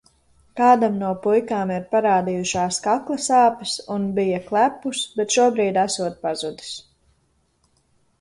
Kādam no puikām ir parādījušās kakla sāpes un bija klepus, bet šobrīd esot pazudis.